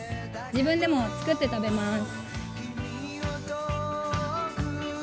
自分でも作って食べます。